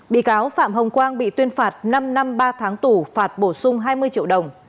bị cáo phạm hồng quang bị tuyên phạt năm năm ba tháng tù phạt bổ sung hai mươi triệu đồng